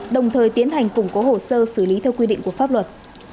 đồng thời tiến hành củng cố hồ sơ xử lý theo quy định của pháp luật